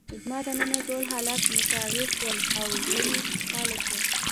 زما دننه ټول حالات متغیر شول او زړه مې خوشحاله شو.